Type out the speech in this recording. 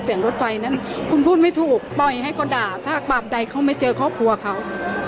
รถไฟนั้นคุณพูดไม่ถูกปล่อยให้เขาด่าถ้าบาปใดเขาไม่เจอครอบครัวเขา